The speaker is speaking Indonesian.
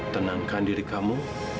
tenangkan diri kamu